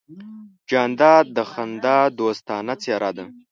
جانداد د خندا دوستانه څېرہ ده.